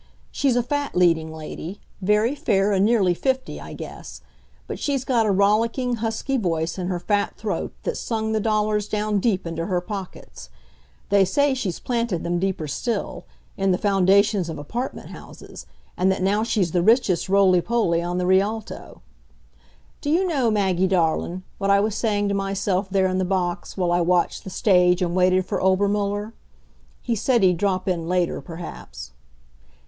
She's a fat leading lady, very fair and nearly fifty, I guess. But she's got a rollicking, husky voice in her fat throat that's sung the dollars down deep into her pockets. They say she's planted them deeper still in the foundations of apartment houses and that now she's the richest roly poly on the Rialto. Do you know, Maggie darlin', what I was saying to myself there in the box, while I watched the stage and waited for Obermuller? He said he'd drop in later, perhaps.